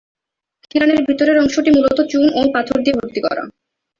খিলানের ভিতরের অংশটি মূলত চুন ও পাথর দিয়ে ভর্তি করা।